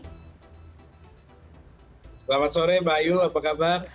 selamat sore mbak ayu apa kabar